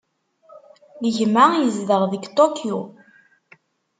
Gma yezdeɣ deg Tokyo.